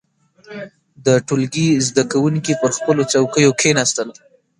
• د ټولګي زده کوونکي پر خپلو څوکيو کښېناستل.